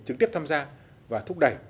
trực tiếp tham gia và thúc đẩy